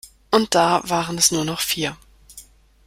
Und da waren es nur noch vier.